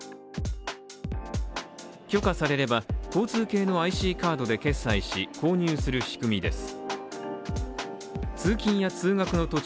許可されれば、交通系のＩＣカードで決済し購入する仕組みです。